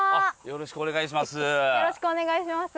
よろしくお願いします。